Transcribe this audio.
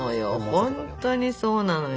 本当にそうなのよ。